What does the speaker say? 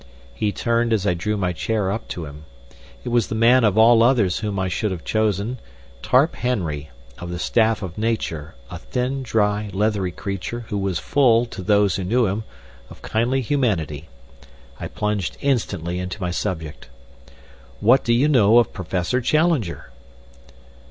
He turned as I drew my chair up to him. It was the man of all others whom I should have chosen Tarp Henry, of the staff of Nature, a thin, dry, leathery creature, who was full, to those who knew him, of kindly humanity. I plunged instantly into my subject. "What do you know of Professor Challenger?"